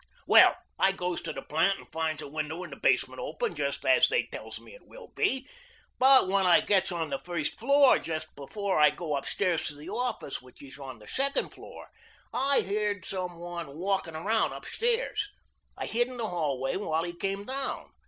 "Well, I goes to the plant and finds a window in the basement open just as they tells me it will be, but when I gets on the first floor just before I go up stairs to the office, which is on the second floor, I heard some one walking around up stairs. I hid in the hallway while he came down.